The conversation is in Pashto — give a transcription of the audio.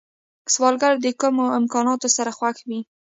سوالګر د کمو امکاناتو سره خوښ وي